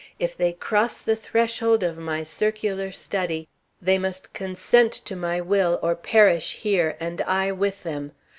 If they cross the threshold of my circular study, they must consent to my will or perish here, and I with them.